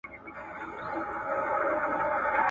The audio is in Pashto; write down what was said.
چي د ظلم او استبداد څخه یې ,